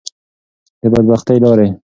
د بدبختی لارې.